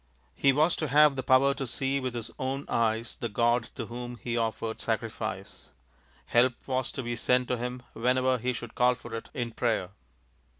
He was to have the power to see with his own eyes the god to whom he offered sacrifice. Help was to be sent to him whenever he should call for it in prayer.